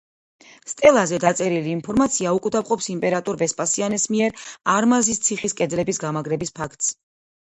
სტელაზე დაწერილი ინფორმაცია უკვდავყოფს იმპერატორ ვესპასიანეს მიერ არმაზციხის კედლების გამაგრების ფაქტს.